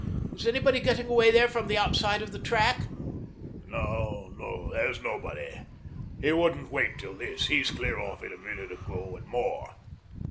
Is anybody getting away there from the outside of the track?" " No, there's nobody. He wouldn't wait till this ; he's clear off a minute ago and more.